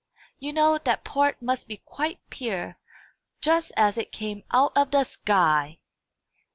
You know that part must be quite pure, just as it came out of the sky!"